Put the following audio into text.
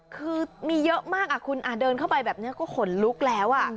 คือมีเยอะมากคุณเดินเข้าไปแบบนี้ก็ขนลุกแล้ว